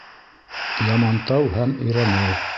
Ямантау һәм Ирәмәл.